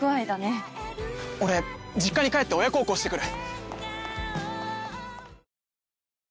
俺実家に帰って親孝行してくる！